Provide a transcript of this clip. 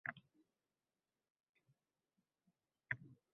Oʼgʼil adashgan satang.